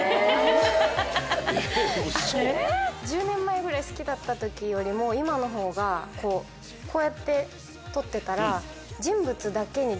１０年前ぐらい好きだった時よりも今のほうがこうやって撮ってたら。